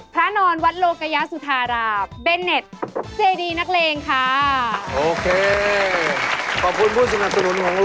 พระนอนวัดโลกยาสุธาราบเบนเน็ต